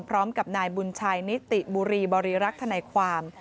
พร้อมกับนายบุญชัยนิติบุรีบริรักษ์ธนายความ